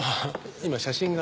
今写真が。